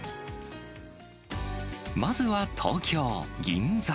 まずは東京・銀座。